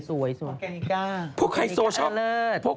สวยสวยออร์แกนิก้าออร์แกนิก้าอเลิศ